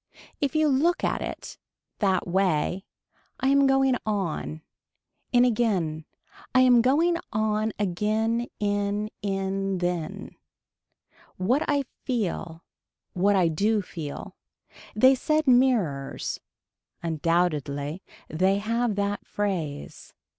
If you look at it. That way. I am going on. In again. I am going on again in in then. What I feel. What I do feel. They said mirrors. Undoubtedly they have that phrase.